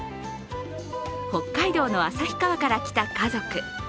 北海道の旭川から来た家族。